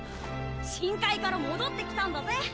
深海から戻ってきたんだぜ。